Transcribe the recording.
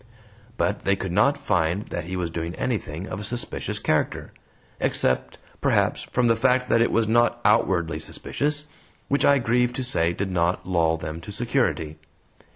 But they could not find that he was doing anything of a suspicious character except, perhaps, from the fact that it was not OUTWARDLY suspicious, which I grieve to say did not lull them to security.